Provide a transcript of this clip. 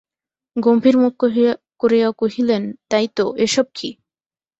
গম্ভীর মুখ করিয়া কহিলেন, তাই তো, এ-সব কী?